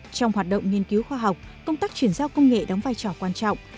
trong hoạt động nghiên cứu khoa học công tác chuyển giao công nghệ đóng vai trò quan trọng